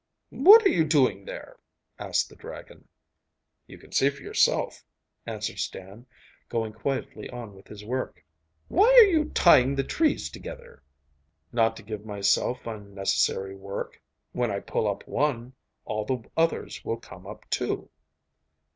'What are you doing there?' asked the dragon. 'You can see for yourself,' answered Stan, going quietly on with his work. 'Why are you tying the trees together?' 'Not to give myself unnecessary work; when I pull up one, all the others will come up too.